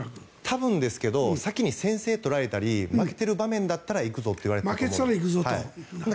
多分ですけど先に先制を取られたり負けている場面だったら行くぞと言われていたと思います。